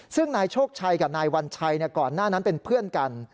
ซึ่งนายโชคชัยกับนายวัญชัยก่อนหน้านั้นเป็นเพื่อนกัน